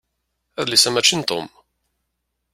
Adlis-a mačči n Tom.